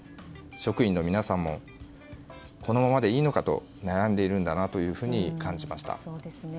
職員の皆さんもこのままでいいのかと悩んでいるんだなと感じました。